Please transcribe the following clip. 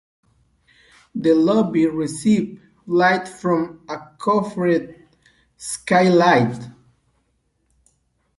The lobby received light from a coffered skylight.